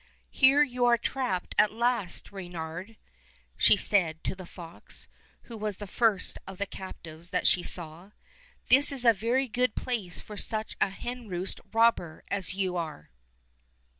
''Here you are trapped at last, Reynard," she said to the fox, who was the first of the captives that she saw. "This is a very good place for such a henroost robber as you are."